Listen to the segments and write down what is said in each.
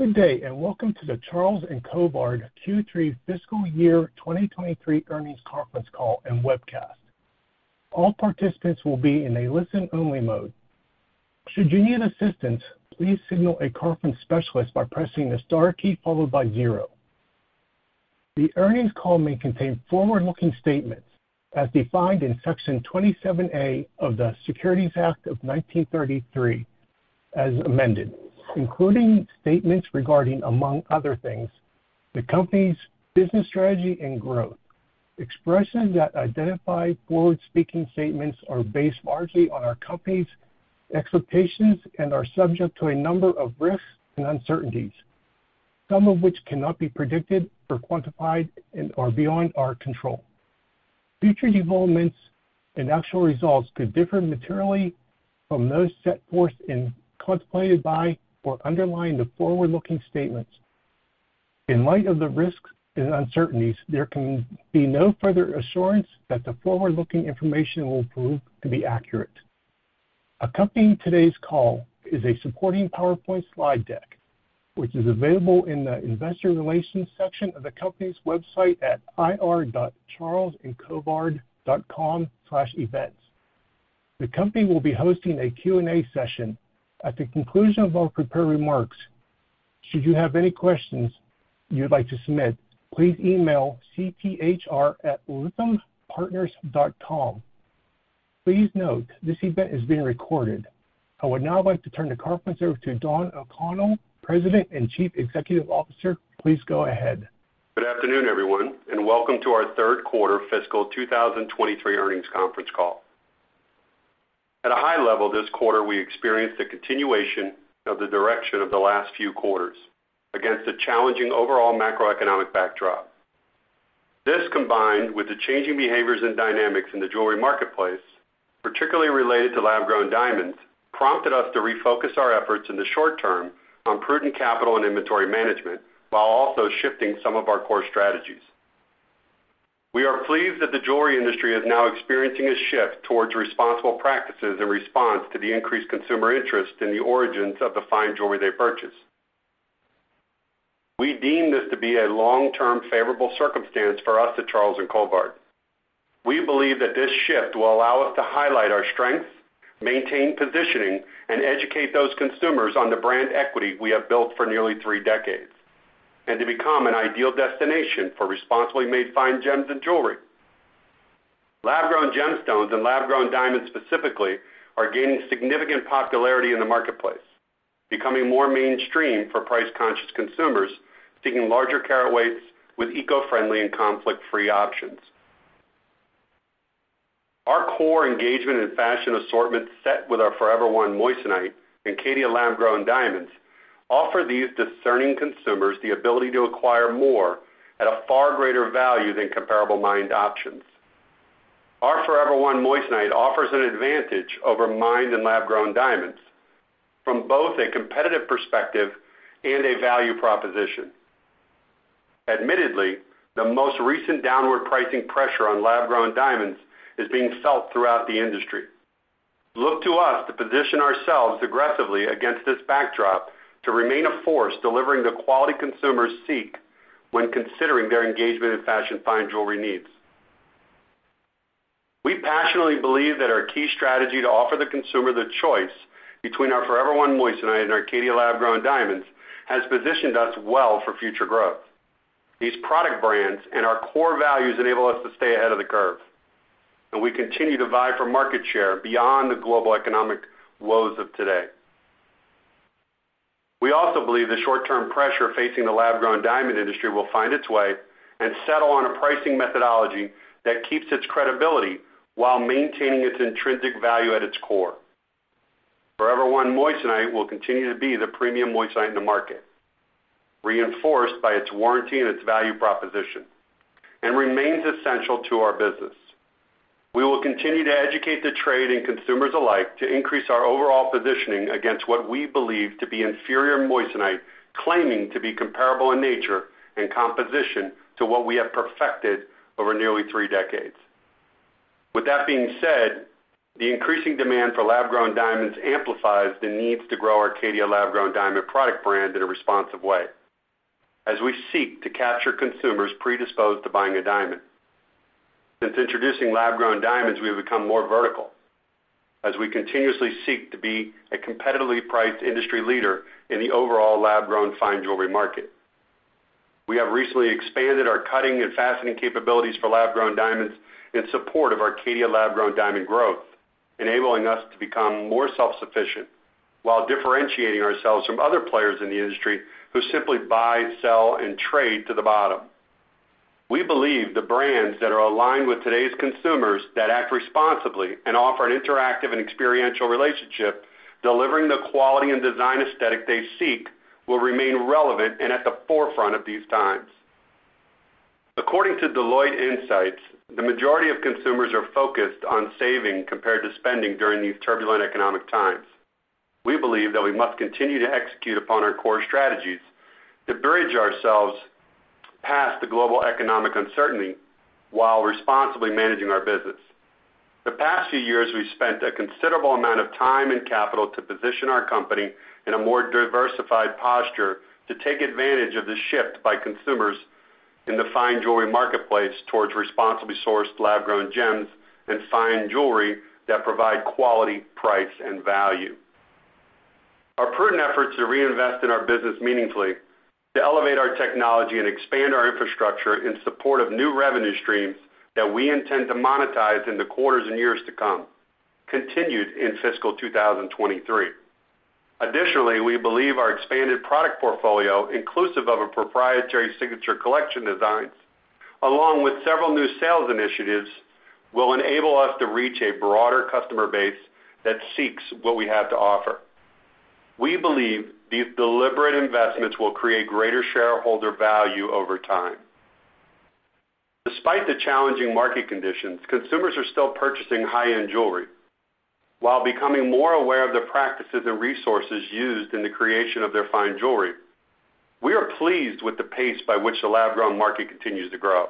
Good day, welcome to the Charles & Colvard Q3 Fiscal Year 2023 Earnings Conference Call and Webcast. All participants will be in a listen-only mode. Should you need assistance, please signal a conference specialist by pressing the star key followed by zero. The earnings call may contain forward-looking statements as defined in Section 27A of the Securities Act of 1933 as amended, including statements regarding, among other things, the company's business strategy and growth. Expressions that identify forward-speaking statements are based largely on our company's expectations and are subject to a number of risks and uncertainties, some of which cannot be predicted or quantified and are beyond our control. Future developments and actual results could differ materially from those set forth and contemplated by or underlying the forward-looking statements. In light of the risks and uncertainties, there can be no further assurance that the forward-looking information will prove to be accurate. Accompanying today's call is a supporting PowerPoint slide deck, which is available in the investor relations section of the company's website at ir.charlesandcolvard.com/events. The company will be hosting a Q&A session at the conclusion of our prepared remarks. Should you have any questions you would like to submit, please email cthr@lythampartners.com. Please note this event is being recorded. I would now like to turn the conference over to Don O'Connell, President and Chief Executive Officer. Please go ahead. Good afternoon, everyone. Welcome to our Q3 fiscal 2023 earnings conference call. At a high level this quarter, we experienced a continuation of the direction of the last few quarters against a challenging overall macroeconomic backdrop. This, combined with the changing behaviors and dynamics in the jewelry marketplace, particularly related to lab-grown diamonds, prompted us to refocus our efforts in the short term on prudent capital and inventory management while also shifting some of our core strategies. We are pleased that the jewelry industry is now experiencing a shift towards responsible practices in response to the increased consumer interest in the origins of the fine jewelry they purchase. We deem this to be a long-term favorable circumstance for us at Charles & Colvard. We believe that this shift will allow us to highlight our strengths, maintain positioning, and educate those consumers on the brand equity we have built for nearly three decades, and to become an ideal destination for responsibly made fine gems and jewelry. Lab-grown gemstones and lab-grown diamonds specifically are gaining significant popularity in the marketplace, becoming more mainstream for price-conscious consumers seeking larger carat weights with eco-friendly and conflict-free options. Our core engagement and fashion assortment set with our Forever One moissanite and Caydia lab-grown diamonds offer these discerning consumers the ability to acquire more at a far greater value than comparable mined options. Our Forever One moissanite offers an advantage over mined and lab-grown diamonds from both a competitive perspective and a value proposition. Admittedly, the most recent downward pricing pressure on lab-grown diamonds is being felt throughout the industry. Look to us to position ourselves aggressively against this backdrop to remain a force delivering the quality consumers seek when considering their engagement and fashion fine jewelry needs. We passionately believe that our key strategy to offer the consumer the choice between our Forever One moissanite and Caydia lab-grown diamonds has positioned us well for future growth. These product brands and our core values enable us to stay ahead of the curve, and we continue to vie for market share beyond the global economic woes of today. We also believe the short-term pressure facing the lab-grown diamond industry will find its way and settle on a pricing methodology that keeps its credibility while maintaining its intrinsic value at its core. Forever One moissanite will continue to be the premium moissanite in the market, reinforced by its warranty and its value proposition, and remains essential to our business. We will continue to educate the trade and consumers alike to increase our overall positioning against what we believe to be inferior moissanite, claiming to be comparable in nature and composition to what we have perfected over nearly three decades. With that being said, the increasing demand for lab-grown diamonds amplifies the needs to grow Arcadia lab-grown diamond product brand in a responsive way as we seek to capture consumers predisposed to buying a diamond. Since introducing lab-grown diamonds, we've become more vertical as we continuously seek to be a competitively priced industry leader in the overall lab-grown fine jewelry market. We have recently expanded our cutting and fastening capabilities for lab-grown diamonds in support of Arcadia lab-grown diamond growth, enabling us to become more self-sufficient while differentiating ourselves from other players in the industry who simply buy, sell, and trade to the bottom. We believe the brands that are aligned with today's consumers that act responsibly and offer an interactive and experiential relationship, delivering the quality and design aesthetic they seek will remain relevant and at the forefront of these times. According to Deloitte Insights, the majority of consumers are focused on saving compared to spending during these turbulent economic times. We believe that we must continue to execute upon our core strategies to bridge ourselvesThe global economic uncertainty while responsibly managing our business. The past few years, we've spent a considerable amount of time and capital to position our company in a more diversified posture to take advantage of the shift by consumers in the fine jewelry marketplace towards responsibly sourced lab-grown gems and fine jewelry that provide quality, price, and value. Our prudent efforts to reinvest in our business meaningfully, to elevate our technology, and expand our infrastructure in support of new revenue streams that we intend to monetize in the quarters and years to come, continued in fiscal 2023. Additionally, we believe our expanded product portfolio, inclusive of a proprietary Signature Collection designs, along with several new sales initiatives, will enable us to reach a broader customer base that seeks what we have to offer. We believe these deliberate investments will create greater shareholder value over time. Despite the challenging market conditions, consumers are still purchasing high-end jewelry while becoming more aware of the practices and resources used in the creation of their fine jewelry. We are pleased with the pace by which the lab-grown market continues to grow,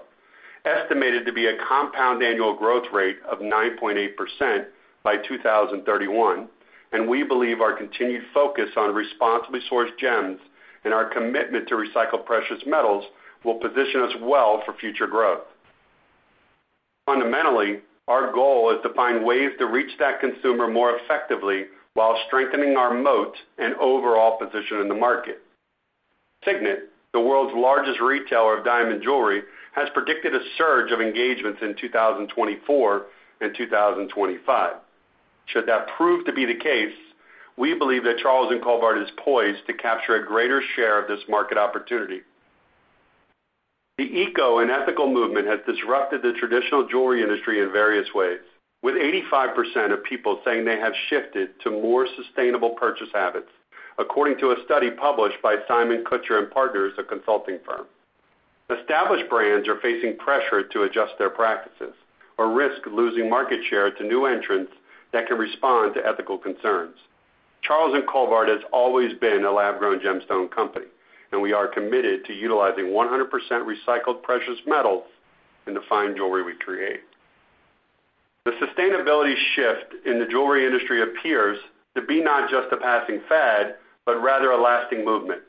estimated to be a compound annual growth rate of 9.8% by 2031, and we believe our continued focus on responsibly sourced gems and our commitment to recycled precious metals will position us well for future growth. Fundamentally, our goal is to find ways to reach that consumer more effectively while strengthening our moat and overall position in the market. Signet, the world's largest retailer of diamond jewelry, has predicted a surge of engagements in 2024 and 2025. Should that prove to be the case, we believe that Charles & Colvard is poised to capture a greater share of this market opportunity. The eco and ethical movement has disrupted the traditional jewelry industry in various ways, with 85% of people saying they have shifted to more sustainable purchase habits, according to a study published by Simon-Kucher & Partners, a consulting firm. Established brands are facing pressure to adjust their practices or risk losing market share to new entrants that can respond to ethical concerns. Charles & Colvard has always been a lab-grown gemstone company, and we are committed to utilizing 100% recycled precious metals in the fine jewelry we create. The sustainability shift in the jewelry industry appears to be not just a passing fad, but rather a lasting movement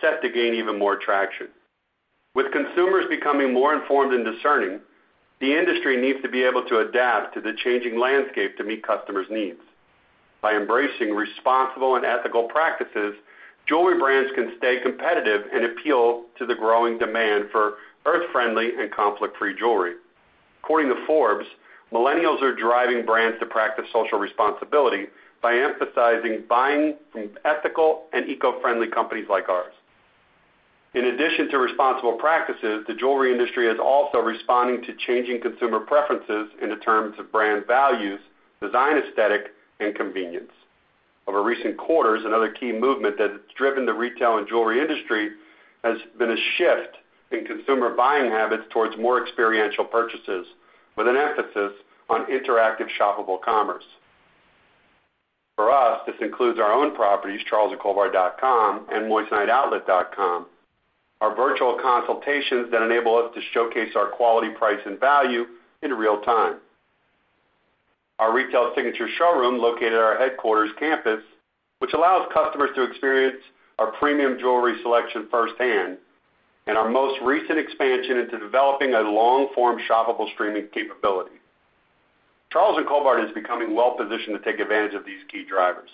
set to gain even more traction. With consumers becoming more informed and discerning, the industry needs to be able to adapt to the changing landscape to meet customers' needs. By embracing responsible and ethical practices, jewelry brands can stay competitive and appeal to the growing demand for earth-friendly and conflict-free jewelry. According to Forbes, millennials are driving brands to practice social responsibility by emphasizing buying from ethical and eco-friendly companies like ours. In addition to responsible practices, the jewelry industry is also responding to changing consumer preferences in the terms of brand values, design aesthetic, and convenience. Over recent quarters, another key movement that has driven the retail and jewelry industry has been a shift in consumer buying habits towards more experiential purchases with an emphasis on interactive shoppable commerce. For us, this includes our own properties, charlesandcolvard.com and moissaniteoutlet.com. Our virtual consultations that enable us to showcase our quality, price, and value in real time. Our retail signature showroom located at our headquarters campus, which allows customers to experience our premium jewelry selection firsthand, and our most recent expansion into developing a long-form shoppable streaming capability. Charles & Colvard is becoming well-positioned to take advantage of these key drivers.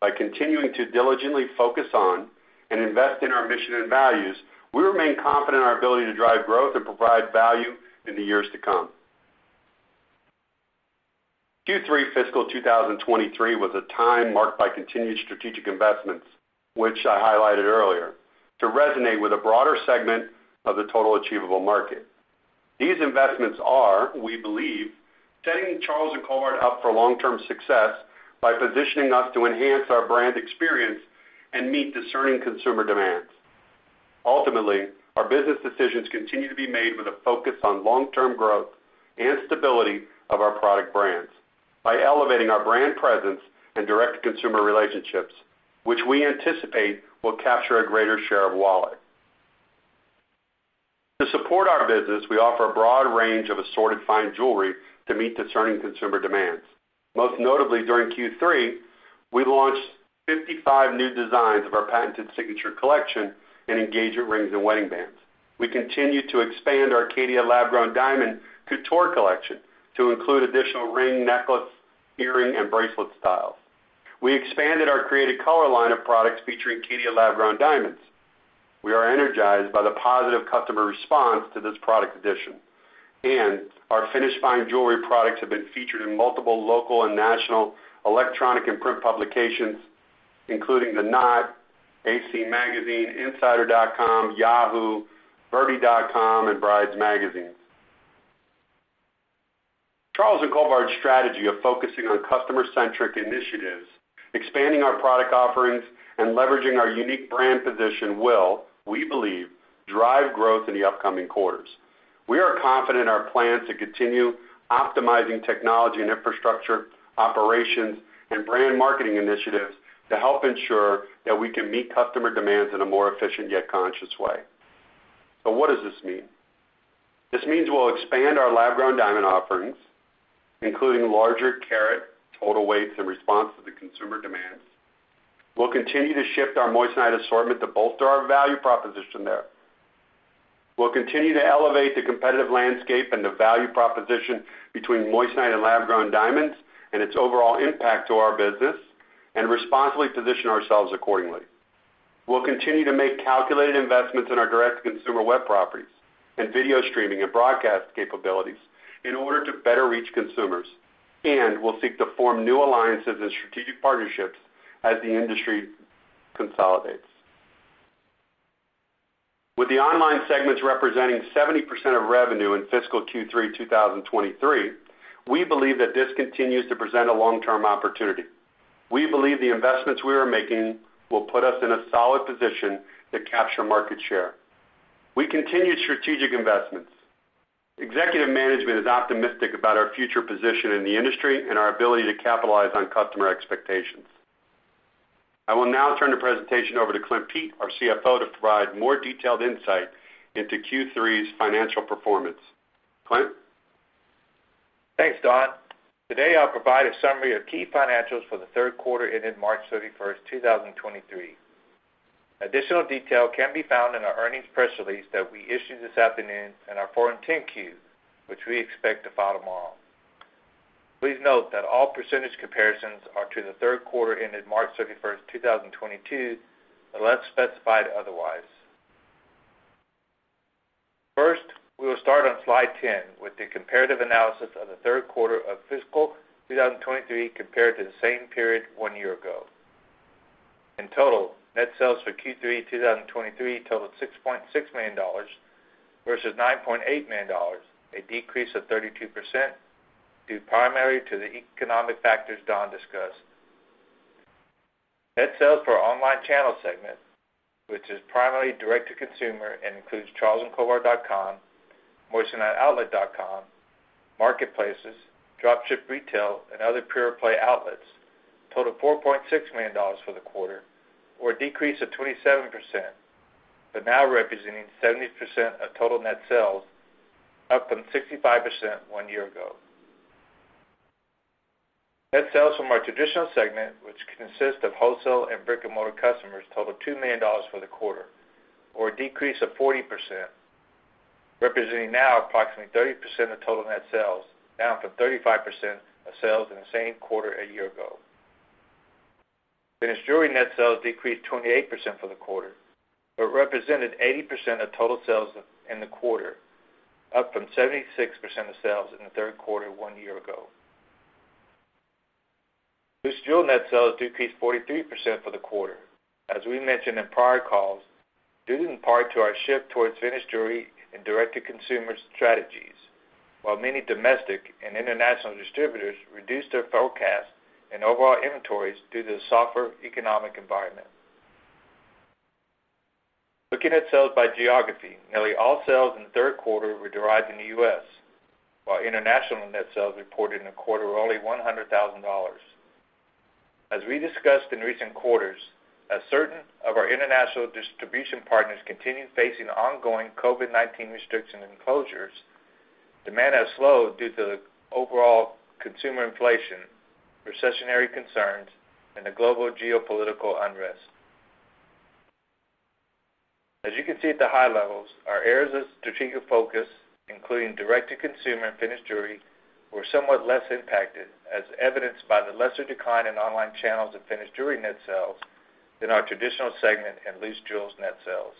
By continuing to diligently focus on and invest in our mission and values, we remain confident in our ability to drive growth and provide value in the years to come. Q3 fiscal 2023 was a time marked by continued strategic investments, which I highlighted earlier, to resonate with a broader segment of the total achievable market. These investments are, we believe, setting Charles & Colvard up for long-term success by positioning us to enhance our brand experience and meet discerning consumer demands. Ultimately, our business decisions continue to be made with a focus on long-term growth and stability of our product brands by elevating our brand presence and direct consumer relationships, which we anticipate will capture a greater share of wallet. To support our business, we offer a broad range of assorted fine jewelry to meet discerning consumer demands. Most notably during Q3, we launched 55 new designs of our patented Signature Collection in engagement rings and wedding bands. We continued to expand our Caydia lab-grown diamond couture collection to include additional ring, necklace, earring, and bracelet styles. We expanded our created color line of products featuring Caydia lab-grown diamonds. We are energized by the positive customer response to this product addition, and our finished fine jewelry products have been featured in multiple local and national electronic and print publications, including The Knot, AC Magazine, insider.com, Yahoo, verdi.com, and Brides magazines. Charles & Colvard's strategy of focusing on customer-centric initiatives, expanding our product offerings, and leveraging our unique brand position will, we believe, drive growth in the upcoming quarters. We are confident in our plans to continue optimizing technology and infrastructure, operations, and brand marketing initiatives to help ensure that we can meet customer demands in a more efficient yet conscious way. What does this mean? This means we'll expand our lab-grown diamond offerings, including larger carat total weights in response to the consumer demands. We'll continue to shift our moissanite assortment to bolster our value proposition there. We'll continue to elevate the competitive landscape and the value proposition between moissanite and lab-grown diamonds and its overall impact to our business and responsibly position ourselves accordingly. We'll continue to make calculated investments in our direct-to-consumer web properties and video streaming and broadcast capabilities in order to better reach consumers, and we'll seek to form new alliances and strategic partnerships as the industry consolidates. With the online segments representing 70% of revenue in fiscal Q3 2023, we believe that this continues to present a long-term opportunity. We believe the investments we are making will put us in a solid position to capture market share. We continue strategic investments. Executive management is optimistic about our future position in the industry and our ability to capitalize on customer expectations. I will now turn the presentation over to Clint Pete, our CFO, to provide more detailed insight into Q3's financial performance. Clint? Thanks, Don. Today, I'll provide a summary of key financials for the Q3 ended March 31st, 2023. Additional detail can be found in our earnings press release that we issued this afternoon and our Form 10-Q, which we expect to file tomorrow. Please note that all percentage comparisons are to the Q3 ended March 31st, 2022, unless specified otherwise. First, we will start on slide 10 with the comparative analysis of the Q3 of fiscal 2023 compared to the same period one year ago. In total, net sales for Q3 2023 totaled $6.6 million versus $9.8 million, a decrease of 32%, due primarily to the economic factors Don discussed. Net sales for our online channel segment, which is primarily direct-to-consumer and includes charlesandcolvard.com, moissaniteoutlet.com, marketplaces, drop ship retail, and other pure-play outlets, totaled $4.6 million for the quarter or a decrease of 27%, but now representing 70% of total net sales, up from 65% one year ago. Net sales from our traditional segment, which consists of wholesale and brick-and-mortar customers, totaled $2 million for the quarter or a decrease of 40%, representing now approximately 30% of total net sales, down from 35% of sales in the same quarter a year ago. Finished jewelry net sales decreased 28% for the quarter, but represented 80% of total sales in the quarter, up from 76% of sales in the Q3 one year ago. Loose jewel net sales decreased 43% for the quarter, as we mentioned in prior calls, due in part to our shift towards finished jewelry and direct-to-consumer strategies, while many domestic and international distributors reduced their forecasts and overall inventories due to the softer economic environment. Looking at sales by geography, nearly all sales in the Q3 were derived in the U.S., while international net sales reported in the quarter were only $100,000. As we discussed in recent quarters, as certain of our international distribution partners continue facing ongoing COVID-19 restrictions and closures, demand has slowed due to the overall consumer inflation, recessionary concerns, and the global geopolitical unrest. As you can see at the high levels, our areas of strategic focus, including direct-to-consumer and finished jewelry, were somewhat less impacted, as evidenced by the lesser decline in online channels of finished jewelry net sales in our traditional segment and loose jewels net sales.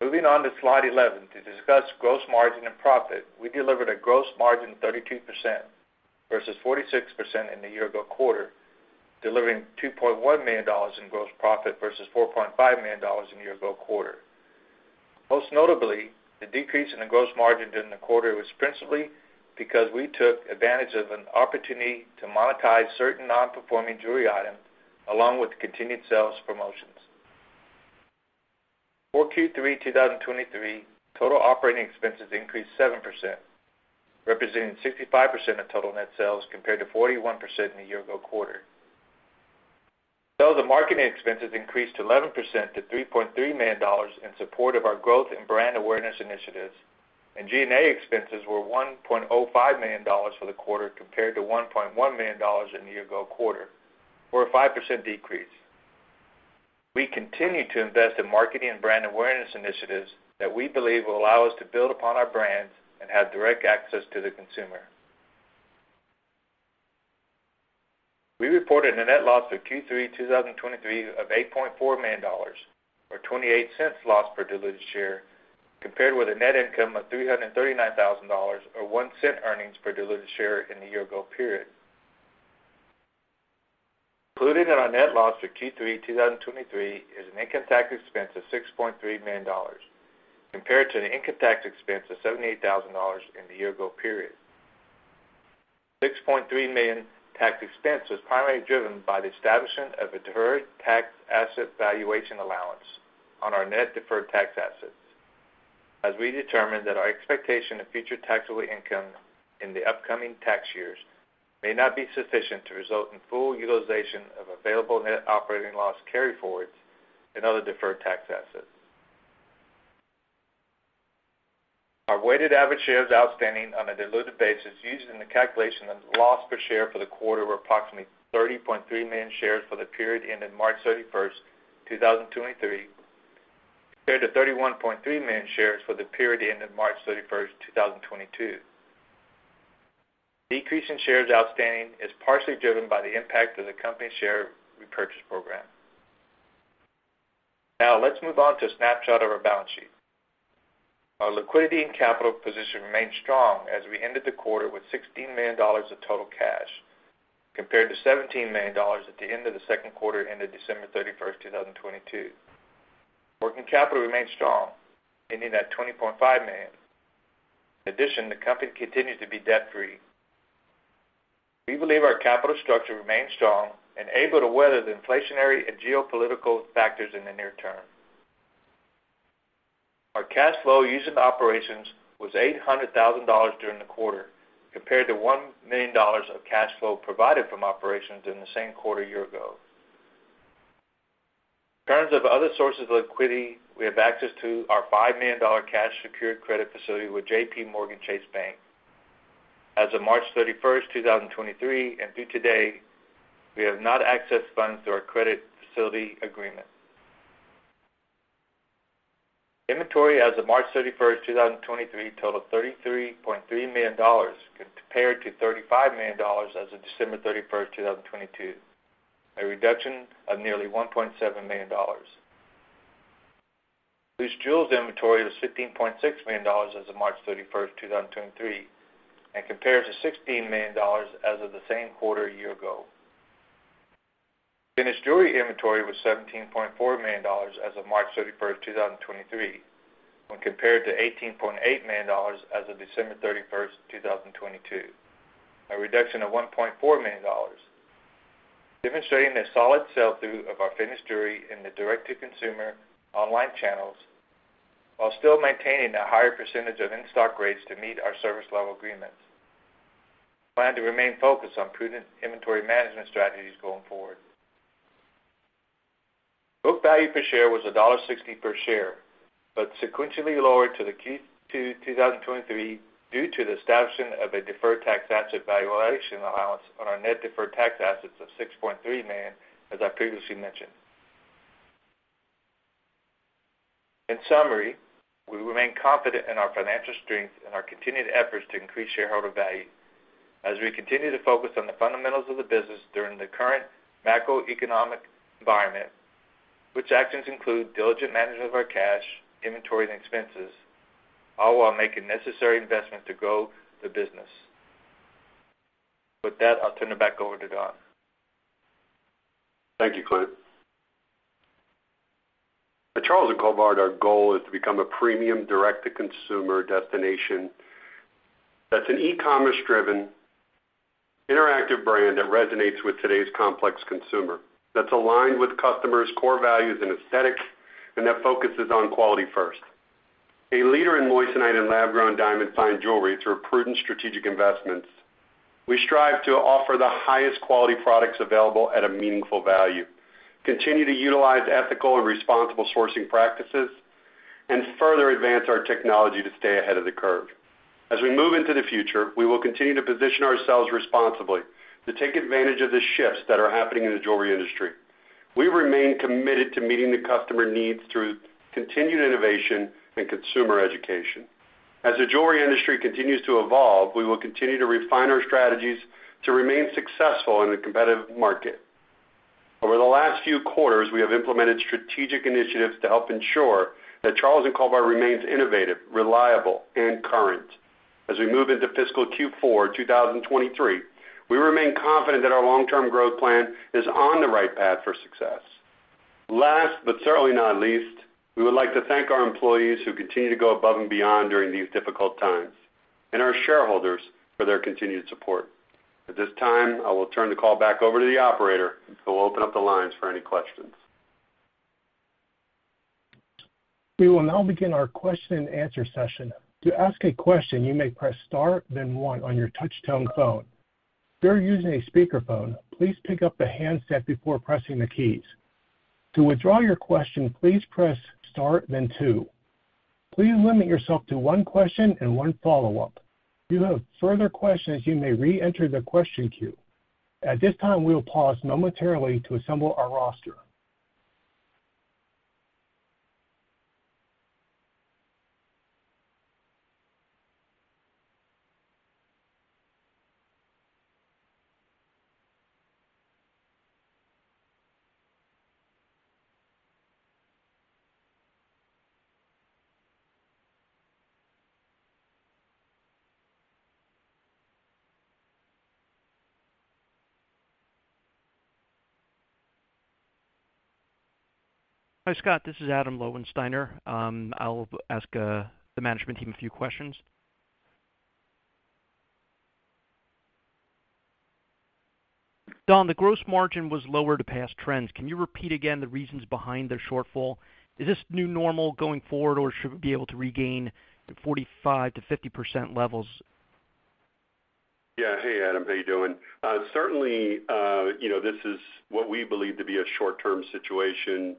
Moving on to slide 11 to discuss gross margin and profit. We delivered a gross margin 32% versus 46% in the year-ago quarter, delivering $2.1 million in gross profit versus $4.5 million in the year-ago quarter. Most notably, the decrease in the gross margin during the quarter was principally because we took advantage of an opportunity to monetize certain non-performing jewelry items along with continued sales promotions. For Q3 2023, total operating expenses increased 7%, representing 65% of total net sales compared to 41% in the year-ago quarter. Sales and marketing expenses increased 11% to $3.3 million in support of our growth and brand awareness initiatives, G&A expenses were $1.05 million for the quarter compared to $1.1 million in the year-ago quarter, or a 5% decrease. We continue to invest in marketing and brand awareness initiatives that we believe will allow us to build upon our brands and have direct access to the consumer. We reported a net loss for Q3 2023 of $8.4 million or $0.28 loss per diluted share, compared with a net income of $339,000 or $0.01 earnings per diluted share in the year-ago period. Included in our net loss for Q3 2023 is an income tax expense of $6.3 million compared to an income tax expense of $78,000 in the year-ago period. $6.3 million tax expense was primarily driven by the establishment of a deferred tax asset valuation allowance on our net deferred tax assets, as we determined that our expectation of future taxable income in the upcoming tax years may not be sufficient to result in full utilization of available net operating loss carryforwards and other deferred tax assets. Our weighted average shares outstanding on a diluted basis used in the calculation of loss per share for the quarter were approximately 30.3 million shares for the period ending March 31, 2023, compared to 31.3 million shares for the period ending March 31, 2022. Decrease in shares outstanding is partially driven by the impact of the company share repurchase program. Let's move on to a snapshot of our balance sheet. Our liquidity and capital position remained strong as we ended the quarter with $16 million of total cash compared to $17 million at the end of the Q2 ending December 31, 2022. Working capital remained strong, ending at $20.5 million. The company continues to be debt-free. We believe our capital structure remains strong and able to weather the inflationary and geopolitical factors in the near term. Our cash flow used in operations was $800,000 during the quarter, compared to $1 million of cash flow provided from operations in the same quarter a year ago. In terms of other sources of liquidity, we have access to our $5 million cash secured credit facility with JPMorgan Chase Bank. As of March 31, 2023 and through today, we have not accessed funds through our credit facility agreement. Inventory as of March 31, 2023 totaled $33.3 million compared to $35 million as of December 31, 2022, a reduction of nearly $1.7 million. Loose jewels inventory was $16.6 million as of March 31, 2023, and compares to $16 million as of the same quarter a year ago. Finished jewelry inventory was $17.4 million as of March 31, 2023, when compared to $18.8 million as of December 31, 2022. A reduction of $1.4 million, demonstrating the solid sell-through of our finished jewelry in the direct-to-consumer online channels, while still maintaining a higher percentage of in-stock rates to meet our service level agreements. We plan to remain focused on prudent inventory management strategies going forward. Book value per share was $1.60 per share, sequentially lowered to the Q2 2023 due to the establishment of a deferred tax asset valuation allowance on our net deferred tax assets of $6.3 million, as I previously mentioned. In summary, we remain confident in our financial strength and our continued efforts to increase shareholder value as we continue to focus on the fundamentals of the business during the current macroeconomic environment, which actions include diligent management of our cash, inventory, and expenses, all while making necessary investment to grow the business. With that, I'll turn it back over to Don. Thank you, Clint. At Charles & Colvard, our goal is to become a premium direct-to-consumer destination that's an e-commerce driven interactive brand that resonates with today's complex consumer, that's aligned with customers' core values and aesthetics, and that focuses on quality first. A leader in moissanite and lab-grown diamond fine jewelry through prudent strategic investments, we strive to offer the highest quality products available at a meaningful value, continue to utilize ethical and responsible sourcing practices, and further advance our technology to stay ahead of the curve. As we move into the future, we will continue to position ourselves responsibly to take advantage of the shifts that are happening in the jewelry industry. We remain committed to meeting the customer needs through continued innovation and consumer education. As the jewelry industry continues to evolve, we will continue to refine our strategies to remain successful in a competitive market. Over the last few quarters, we have implemented strategic initiatives to help ensure that Charles & Colvard remains innovative, reliable, and current. As we move into fiscal Q4 2023, we remain confident that our long-term growth plan is on the right path for success. Last, but certainly not least, we would like to thank our employees who continue to go above and beyond during these difficult times, and our shareholders for their continued support. At this time, I will turn the call back over to the operator, who will open up the lines for any questions. We will now begin our question and answer session. To ask a question, you may press star then one on your touch tone phone. If you're using a speakerphone, please pick up the handset before pressing the keys. To withdraw your question, please press star then two. Please limit yourself to one question and one follow-up. If you have further questions, you may reenter the question queue. At this time, we will pause momentarily to assemble our roster. Hi, Scott. This is Adam Lowensteiner. I'll ask the management team a few questions. Don, the gross margin was lower to past trends. Can you repeat again the reasons behind the shortfall? Is this new normal going forward, or should we be able to regain the 45%-50% levels? Yeah. Hey, Adam, how you doing? Certainly, you know, this is what we believe to be a short-term situation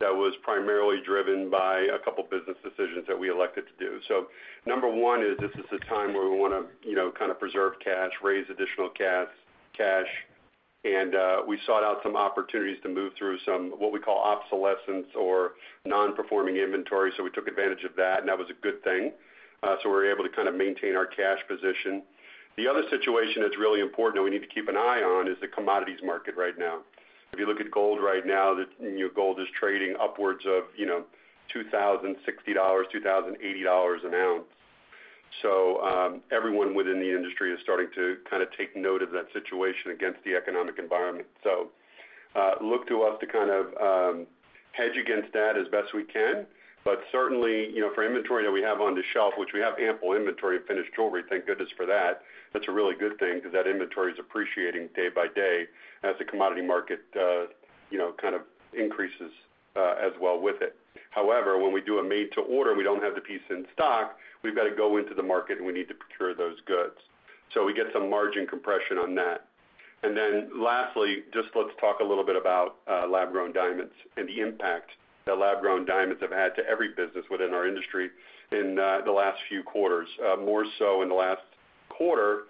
that was primarily driven by a couple business decisions that we elected to do. Number one is this is a time where we wanna, you know, kind of preserve cash, raise additional cash, and we sought out some opportunities to move through some, what we call obsolescence or non-performing inventory. We took advantage of that, and that was a good thing. We're able to kind of maintain our cash position. The other situation that's really important that we need to keep an eye on is the commodities market right now. If you look at gold right now, gold is trading upwards of, you know, $2,060, $2,080 an ounce. Everyone within the industry is starting to kind of take note of that situation against the economic environment. Look to us to kind of hedge against that as best we can. Certainly, you know, for inventory that we have on the shelf, which we have ample inventory of finished jewelry, thank goodness for that's a really good thing because that inventory is appreciating day by day as the commodity market, you know, kind of increases as well with it. When we do a made to order, we don't have the piece in stock, we've got to go into the market, and we need to procure those goods. We get some margin compression on that. Lastly, just let's talk a little bit about lab-grown diamonds and the impact that lab-grown diamonds have had to every business within our industry in the last few quarters, more so in the last quarter,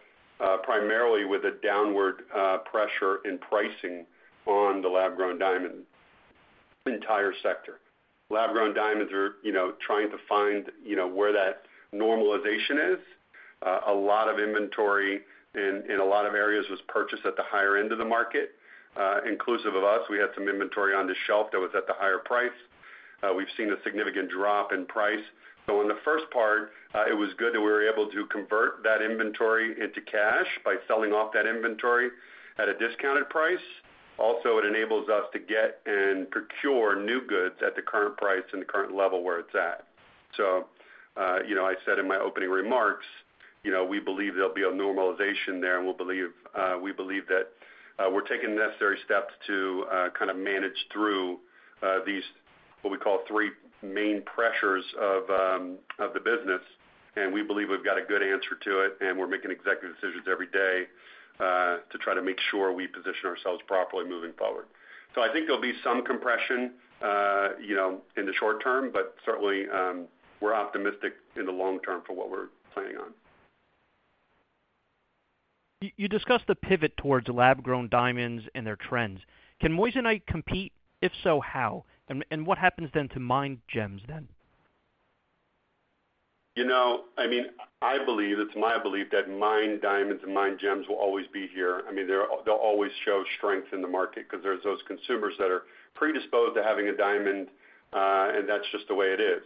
primarily with a downward pressure in pricing on the lab-grown diamond entire sector. Lab-grown diamonds are, you know, trying to find, you know, where that normalization is. A lot of inventory in a lot of areas was purchased at the higher end of the market, inclusive of us. We had some inventory on the shelf that was at the higher price. We've seen a significant drop in price. In the first part, it was good that we were able to convert that inventory into cash by selling off that inventory at a discounted price. It enables us to get and procure new goods at the current price and the current level where it's at. You know, I said in my opening remarks, you know, we believe there'll be a normalization there, and we believe that we're taking the necessary steps to kind of manage through these, what we call three main pressures of the business, and we believe we've got a good answer to it, and we're making executive decisions every day to try to make sure we position ourselves properly moving forward. I think there'll be some compression, you know, in the short term, but certainly, we're optimistic in the long term for what we're planning on. You discussed the pivot towards lab-grown diamonds and their trends. Can moissanite compete? If so, how? What happens then to mined gems then? You know, I mean, I believe, it's my belief that mined diamonds and mined gems will always be here. I mean, they'll always show strength in the market because there's those consumers that are predisposed to having a diamond, and that's just the way it is.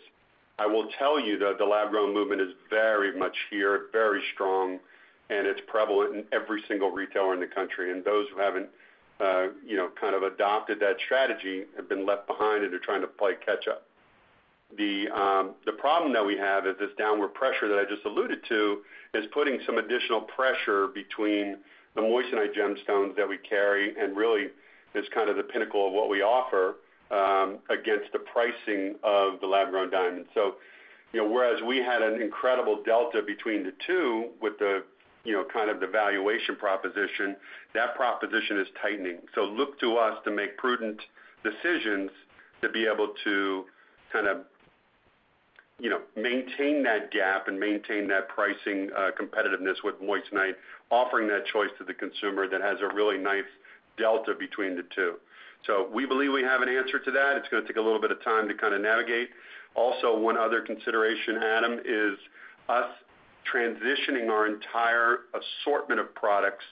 I will tell you that the lab-grown movement is very much here, very strong, and it's prevalent in every single retailer in the country. Those who haven't, you know, kind of adopted that strategy have been left behind, and they're trying to play catch up. The problem that we have is this downward pressure that I just alluded to is putting some additional pressure between the moissanite gemstones that we carry and really is kind of the pinnacle of what we offer, against the pricing of the lab-grown diamonds. Whereas we had an incredible delta between the two with the, you know, kind of the valuation proposition, that proposition is tightening. Look to us to make prudent decisions to be able to kind of, you know, maintain that gap and maintain that pricing competitiveness with moissanite, offering that choice to the consumer that has a really nice delta between the two. We believe we have an answer to that. It's gonna take a little bit of time to kind of navigate. Also, one other consideration, Adam, is us transitioning our entire assortment of products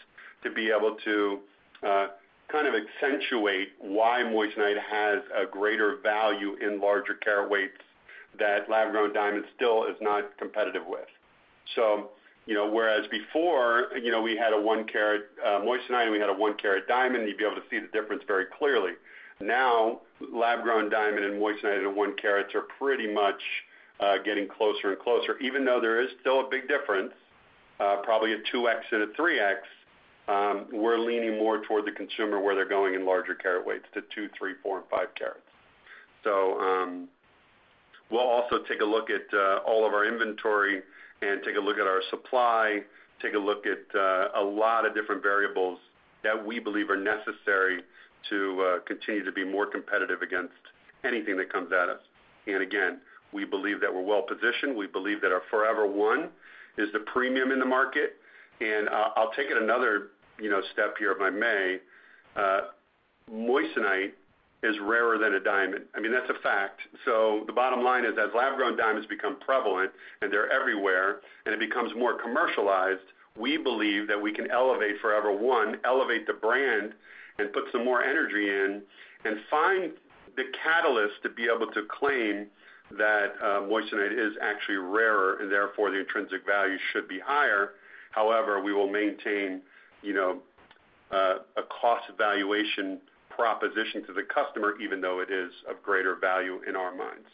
to be able to kind of accentuate why moissanite has a greater value in larger carat weights that lab-grown diamond still is not competitive with. You know, whereas before, you know, we had a one carat moissanite, and we had a one carat diamond, you'd be able to see the difference very clearly. Now, lab-grown diamond and moissanite in one carats are pretty much getting closer and closer. Even though there is still a big difference, probably a 2x and a 3x, we're leaning more toward the consumer where they're going in larger carat weights to two, three, four, and five carats. We'll also take a look at all of our inventory and take a look at our supply, take a look at a lot of different variables that we believe are necessary to continue to be more competitive against anything that comes at us. Again, we believe that we're well positioned. We believe that our Forever One is the premium in the market. I'll take it another, you know, step here, if I may. moissanite is rarer than a diamond. I mean, that's a fact. The bottom line is as lab-grown diamonds become prevalent, and they're everywhere, and it becomes more commercialized, we believe that we can elevate Forever One, elevate the brand and put some more energy in and find the catalyst to be able to claim that moissanite is actually rarer and therefore the intrinsic value should be higher. However, we will maintain a cost valuation proposition to the customer, even though it is of greater value in our minds.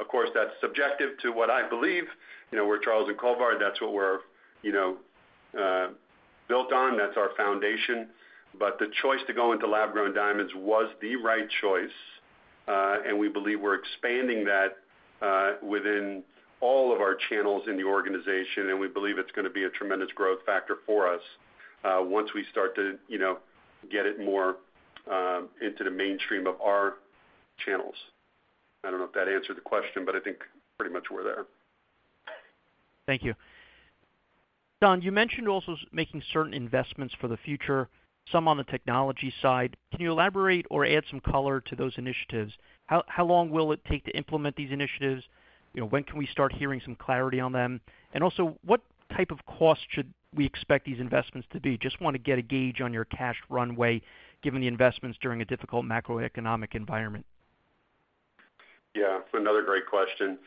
Of course, that's subjective to what I believe. You know, we're Charles & Colvard, that's what we're, you know, built on, that's our foundation. The choice to go into lab-grown diamonds was the right choice, and we believe we're expanding that within all of our channels in the organization, and we believe it's gonna be a tremendous growth factor for us, once we start to, you know, get it more into the mainstream of our channels. I don't know if that answered the question, I think pretty much we're there. Thank you. Don, you mentioned also making certain investments for the future, some on the technology side. Can you elaborate or add some color to those initiatives? How long will it take to implement these initiatives? You know, when can we start hearing some clarity on them? Also, what type of cost should we expect these investments to be? Just wanna get a gauge on your cash runway, given the investments during a difficult macroeconomic environment. Yeah, another great question.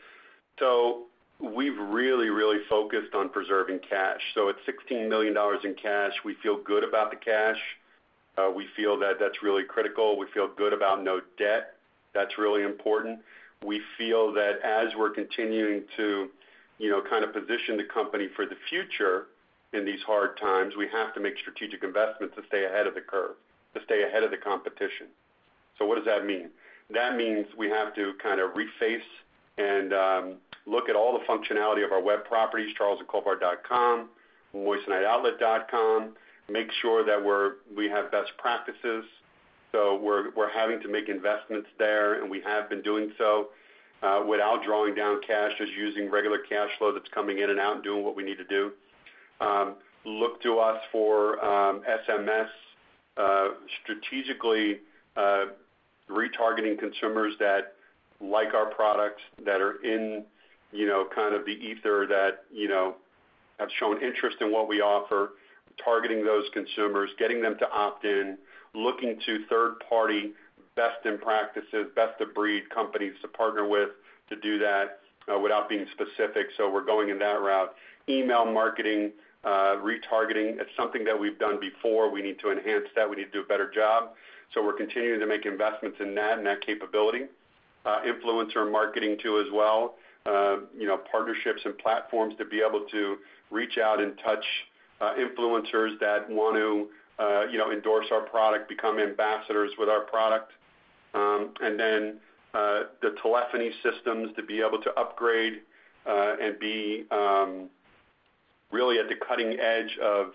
We've really focused on preserving cash. It's $16 million in cash. We feel good about the cash. We feel that that's really critical. We feel good about no debt. That's really important. We feel that as we're continuing to, you know, kind of position the company for the future in these hard times, we have to make strategic investments to stay ahead of the curve, to stay ahead of the competition. What does that mean? That means we have to kind of reface and look at all the functionality of our web properties, charlesandcolvard.com, moissaniteoutlet.com. Make sure that we have best practices. We're having to make investments there, and we have been doing so, without drawing down cash, just using regular cash flow that's coming in and out and doing what we need to do. Look to us for SMS, strategically retargeting consumers that like our products that are in, you know, kind of the ether that, you know, have shown interest in what we offer, targeting those consumers, getting them to opt in, looking to third party best in practices, best-of-breed companies to partner with to do that, without being specific. We're going in that route. Email marketing, retargeting. It's something that we've done before. We need to enhance that. We need to do a better job. We're continuing to make investments in that and that capability. Influencer marketing too as well. You know, partnerships and platforms to be able to reach out and touch influencers that want to, you know, endorse our product, become ambassadors with our product. The telephony systems to be able to upgrade and be really at the cutting edge of,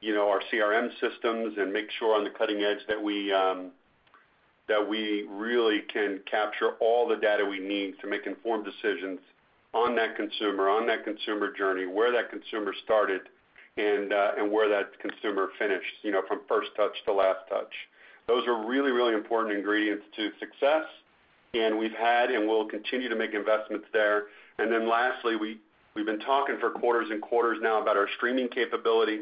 you know, our CRM systems and make sure on the cutting edge that we really can capture all the data we need to make informed decisions on that consumer journey, where that consumer started and where that consumer finished, you know, from first touch to last touch. Those are really, really important ingredients to success, and we've had and will continue to make investments there. Lastly, we've been talking for quarters and quarters now about our streaming capability.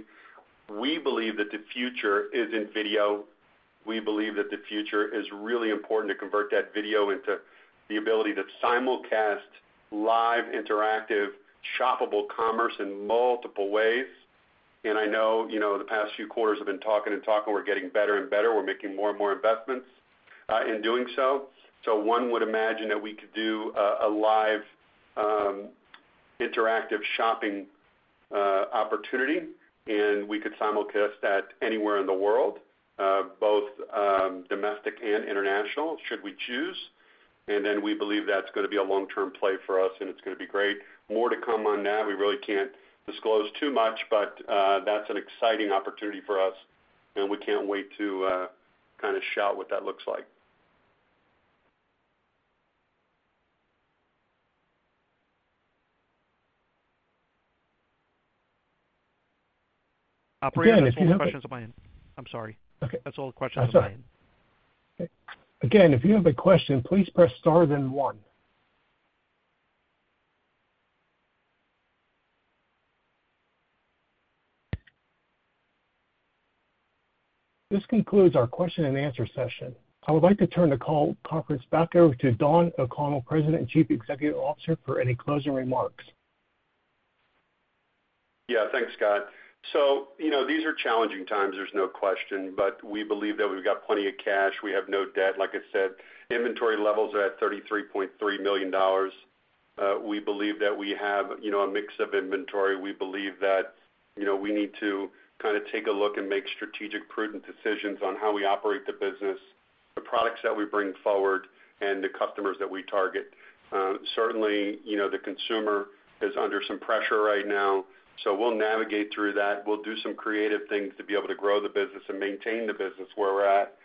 We believe that the future is in video. We believe that the future is really important to convert that video into the ability to simulcast live, interactive, shoppable commerce in multiple ways. I know, you know, the past few quarters I have been talking and talking. We're getting better and better. We're making more and more investments in doing so. One would imagine that we could do a live, interactive shopping opportunity, and we could simulcast that anywhere in the world, both domestic and international, should we choose. We believe that's gonna be a long-term play for us, and it's gonna be great. More to come on that. We really can't disclose too much, that's an exciting opportunity for us, and we can't wait to kinda show what that looks like. Operator, those questions of mine. I'm sorry. Okay. That's all the questions I have. Again, if you have a question, please press star then one. This concludes our question and answer session. I would like to turn the call conference back over to Don O'Connell, President and Chief Executive Officer, for any closing remarks. Yeah. Thanks, Scott. These are challenging times, there's no question. We believe that we've got plenty of cash. We have no debt, like I said. Inventory levels are at $33.3 million. We believe that we have, you know, a mix of inventory. We believe that, you know, we need to kinda take a look and make strategic, prudent decisions on how we operate the business, the products that we bring forward, and the customers that we target. Certainly, you know, the consumer is under some pressure right now, so we'll navigate through that. We'll do some creative things to be able to grow the business and maintain the business where we're at.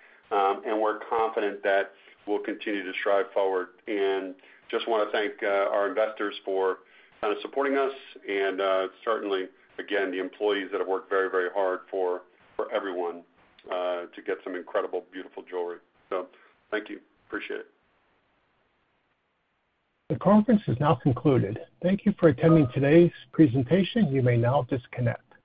We're confident that we'll continue to strive forward. I just wanna thank, our investors for kinda supporting us and, certainly again, the employees that have worked very, very hard for everyone, to get some incredible, beautiful jewelry. Thank you. Appreciate it. The conference is now concluded. Thank you for attending today's presentation. You may now disconnect.